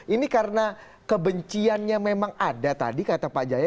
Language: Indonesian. ini karena kebenciannya memang ada tadi kata pak jaya